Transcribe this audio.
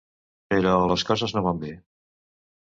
Però les coses no van bé.